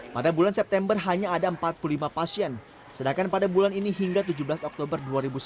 pada bulan september hanya ada empat puluh lima pasien sedangkan pada bulan ini hingga tujuh belas oktober dua ribu sembilan belas